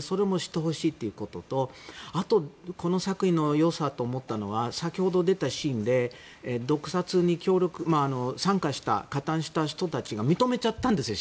それも知ってほしいということとあと、この作品の良さだと思ったのが先ほど出たシーンで、毒殺に参加した、加担した人たちが認めちゃったんですよ。